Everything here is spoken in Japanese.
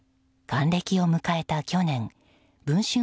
還暦を迎えた去年文春